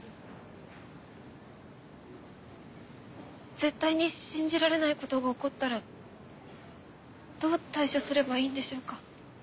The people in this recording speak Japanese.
絶対に信じられないことが起こったらどう対処すればいいんでしょうか？